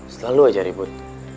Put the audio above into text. selalu aja ribut